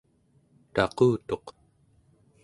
taqutuq